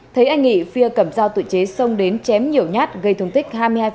thấy anh nghị phia cầm dao tự chế xông đến chém nhiều nhát gây thương tích hai mươi hai